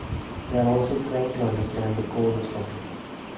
They are also trained to understand the Cone of Scent.